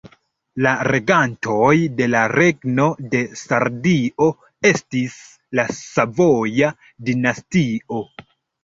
La regantoj de la Regno de Sardio estis la Savoja dinastio.